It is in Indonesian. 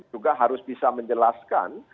juga harus bisa menjelaskan